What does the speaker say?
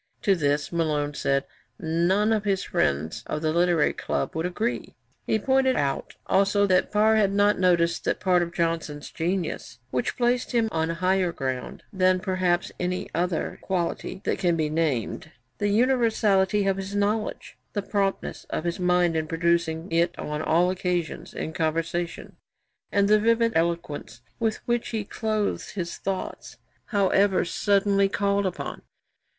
To this, Malone said, none of his friends of the Literary Club would agree. He pointed out also that Parr had not noticed 'that part of Johnson's genius, which placed him on higher ground than perhaps any other quality that can be named the universality of his knowledge, the promptness of his mind in producing it on all occasions in conversation, and the vivid eloquence with which he clothed his thoughts, however suddenly called upon.'